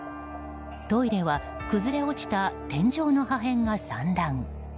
トイレは崩れ落ちた天井の破片が散乱。